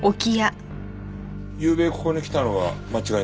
ゆうべここに来たのは間違いないんですね？